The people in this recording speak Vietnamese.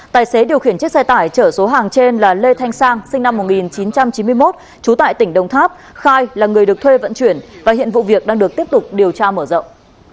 tài xế điều khiển chiếc xe tải chở số hàng trên là lê thanh sang sinh năm một nghìn chín trăm chín mươi một trú tại tỉnh đồng tháp khai là người được thuê vận chuyển và hiện vụ việc đang được tiếp tục điều tra mở rộng